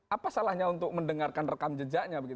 apa salahnya untuk mendengarkan rekam jejaknya begitu